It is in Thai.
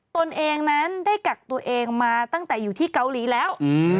ตนเองนั้นได้กักตัวเองมาตั้งแต่อยู่ที่เกาหลีแล้ว